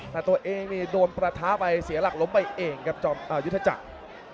แต่ตัวเองนี่โดนประท้าไปเสียหลักล้มไปเองครับจอมยุทธจักร